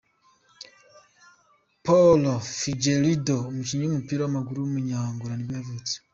Paulo Figueiredo, umukinnyi w’umupira w’amaguru w’umunya Angola nibwo yavutse.